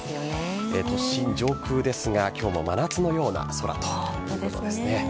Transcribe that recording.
都心上空ですが今日も真夏のような空ということですね。